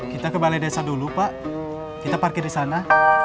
kita ke balai desa dulu pak kita parkir di sana